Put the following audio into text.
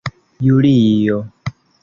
julio